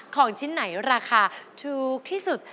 ของชิ้นไหนราคาถูกที่สุด